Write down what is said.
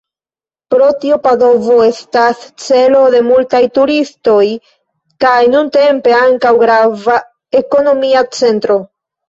Pro tio Padovo estas celo de multaj turistoj, kaj nuntempe ankaŭ grava ekonomia centro.